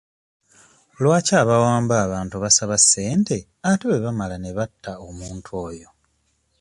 Lwaki abawamba abantu basaba ssente ate bwe bamala ne batta omuntu oyo?